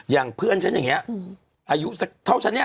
อย่างเพื่อนฉันอย่างนี้อายุสักเท่าฉันเนี่ย